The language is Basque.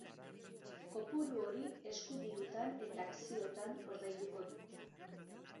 Kopuru hori eskudirutan eta akziotan ordainduko du.